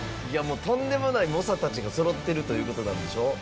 いやもうとんでもない猛者たちがそろってるということなんでしょ？